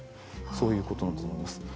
そういうことなんだと思います。